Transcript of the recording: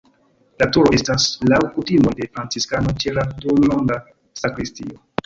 La turo estas laŭ kutimoj de franciskanoj ĉe la duonronda sakristio.